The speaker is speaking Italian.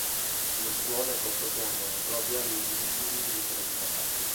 Le scuole sottopongono ai propri alunni i libri selezionati.